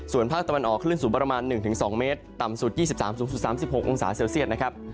ส่วนภาคตะวันออกคลื่นสูงประมาณ๑๒เมตรต่ำสุด๒๓สูงสุด๓๖องศาเซลเซียตนะครับ